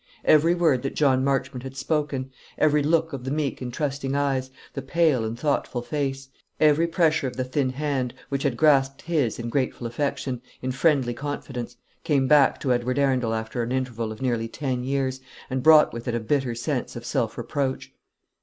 Every word that John Marchmont had spoken; every look of the meek and trusting eyes, the pale and thoughtful face; every pressure of the thin hand which had grasped his in grateful affection, in friendly confidence, came back to Edward Arundel after an interval of nearly ten years, and brought with it a bitter sense of self reproach.